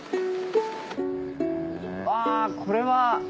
わぁこれは。